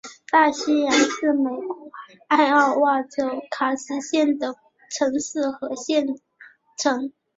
大西洋是美国艾奥瓦州卡斯县的城市和县城。